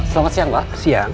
selamat siang pak